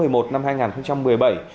quyết bán miếng đất trên đất